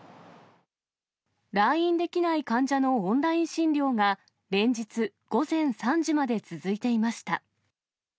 来院できない患者のオンライン診療が連日、午前３時まで続いていました。